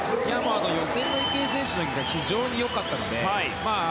予選の池江選手の泳ぎが非常に良かったので。